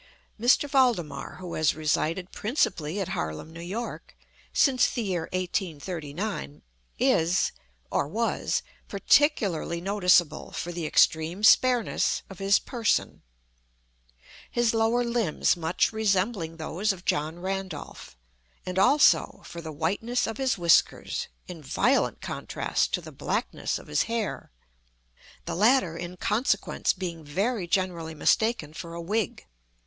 M. Valdemar, who has resided principally at Harlem, N.Y., since the year 1839, is (or was) particularly noticeable for the extreme spareness of his person—his lower limbs much resembling those of John Randolph; and, also, for the whiteness of his whiskers, in violent contrast to the blackness of his hair—the latter, in consequence, being very generally mistaken for a wig.